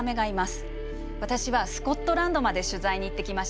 私はスコットランドまで取材に行ってきました。